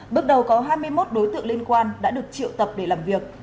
bước đầu có hai mươi một đối tượng liên quan đã được triệu tập để làm việc